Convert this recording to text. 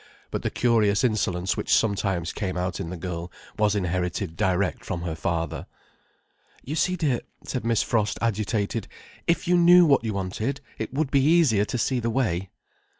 But the curious insolence which sometimes came out in the girl was inherited direct from her father. "You see, dear," said Miss Frost, agitated: "if you knew what you wanted, it would be easier to see the way."